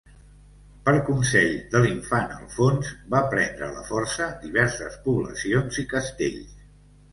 Per consell de l'Infant Alfons va prendre a la força diverses poblacions i castells.